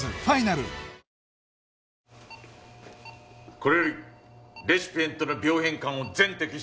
これよりレシピエントの病変肝を全摘出。